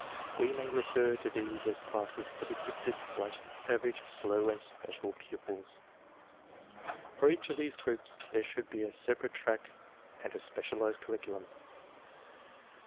We may refer to these as classes for the "gifted," "bright," "average," "slow," and "special" , pupils. For each of these groups there should be a[ ] separate track and a specialized curriculum.